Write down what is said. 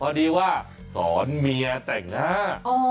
พอดีว่าสอนเมียแต่งหน้า